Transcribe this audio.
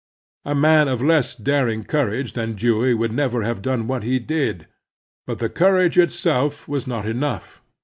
A man of less daring coiuage than Dewey would never have done what he did ; but the coiuage itself was not enough.